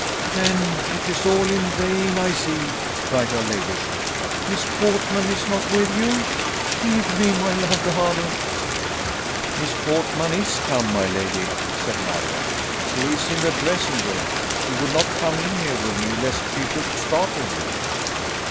"Then it is all in vain, I see," cried her ladyship: "Miss Portman is not with you? Give me my laudanum." "Miss Portman is come, my lady," said Marriott; "she is in the dressing room: she would not come in here with me, lest she should startle you."